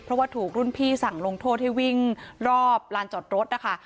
เพราะว่าถูกรุ่นพี่สั่งลงโทษให้วิ่งรอบลานจอดรถนะคะ